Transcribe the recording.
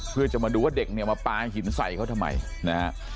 เพื่อจะมาดูว่าเด็กเนี่ยมาปลาหินใส่เขาทำไมนะฮะ